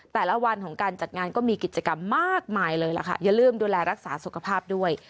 แต่ละวันของการจัดงานก็มีกิจกรรมมากมายเลยล่ะค่ะอย่าลืมดูแลรักษาสุขภาพด้วย